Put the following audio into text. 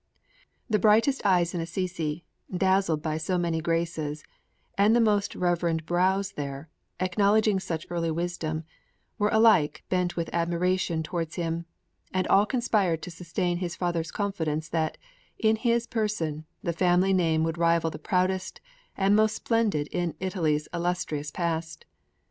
'The brightest eyes in Assisi, dazzled by so many graces, and the most reverend brows there, acknowledging such early wisdom, were alike bent with admiration towards him; and all conspired to sustain his father's confidence that, in his person, the family name would rival the proudest and most splendid in Italy's illustrious past.'